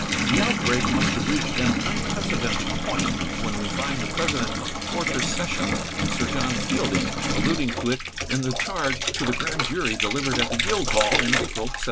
The outbreak must have reached an unprecedented point when we find the president of quarter sessions, Sir John Fielding, alluding to it in the charge to the grand jury delivered at the Guildhall in April, 1763.